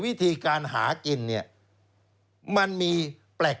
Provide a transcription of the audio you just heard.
วิธีการหากินเนี่ยมันมีแปลก